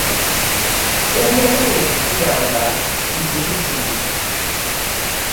Kye njagala okukugamba kizibuzibu.